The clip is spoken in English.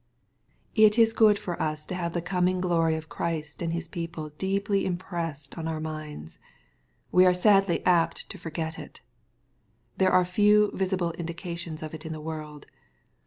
It is good for us to have the coming glory of Christ / and His people deeply impressed on our minds. We are sadly apt to forget it. There are few visible indications of it in the world.